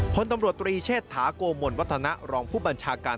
พลตำรวจตรีเชษฐาโกมลวัฒนะรองผู้บัญชาการ